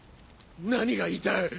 何が言いたい？